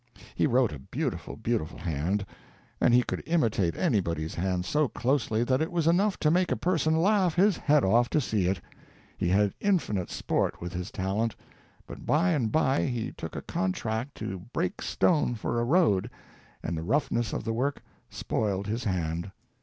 He wrote a beautiful, beautiful hand. And he could imitate anybody's hand so closely that it was enough to make a person laugh his head off to see it. He had infinite sport with his talent. But by and by he took a contract to break stone for a road, and the roughness of the work spoiled his hand.